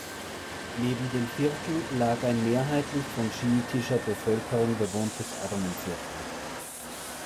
Neben dem Viertel lag ein mehrheitlich von schiitischer Bevölkerung bewohntes Armenviertel.